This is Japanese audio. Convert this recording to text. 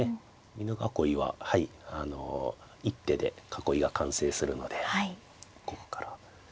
美濃囲いははいあの一手で囲いが完成するのでここから。